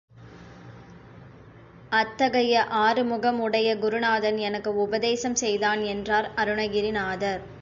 அத்தகைய ஆறு முகம் உடைய குருநாதன் எனக்கு உபதேசம் செய்தான் என்றார் அருணகிரிநாதர்.